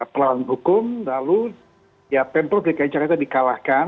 pelawan hukum lalu ya pemprov dki jakarta dikalahkan